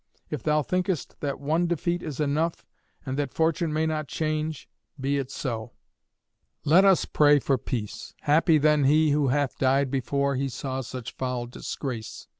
If thou thinkest that one defeat is enough, and that fortune may not change, be it so: let us pray for peace. Happy then he who hath died before he saw such foul disgrace!